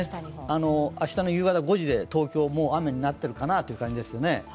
明日の夕方５時で、東京も雨になってるかなという感じですね。